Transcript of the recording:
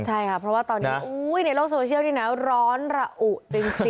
ใช่ค่ะเพราะว่าตอนนี้ในโลกโซเชียลนี่นะร้อนระอุจริง